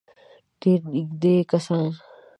ډېر نېږدې کسان.